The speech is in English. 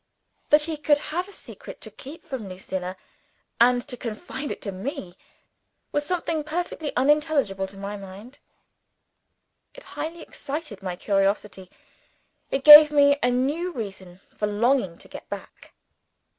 That he could have a secret to keep from Lucilla, and to confide to me, was something perfectly unintelligible to my mind. It highly excited my curiosity; it gave me a new reason for longing to get back.